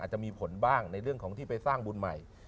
จะมีผลบ้างในเรื่องของที่ไปสร้างบุญใหม่